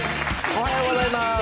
おはようございます。